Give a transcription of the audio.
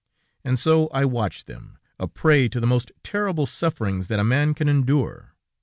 And so I watched them, a prey to the most terrible sufferings that a man can endure.